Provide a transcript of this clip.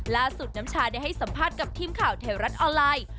น้ำชาได้ให้สัมภาษณ์กับทีมข่าวแถวรัฐออนไลน์